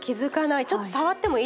ちょっと触ってもいいですか？